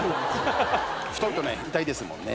太いとね痛いですもんね。